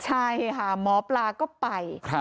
ใช่ค่ะหมอปลาก็ไป